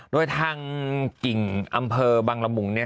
โดยทางกิ่งอำเภอบังละมุงเนี่ย